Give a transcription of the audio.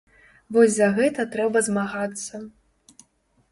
Вось за гэта трэба змагацца.